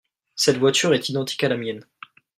Cette voiture est identique à la mienne.